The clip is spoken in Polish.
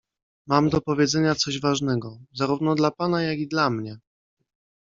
"Mam do powiedzenia coś ważnego, zarówno dla pana, jak i dla mnie“."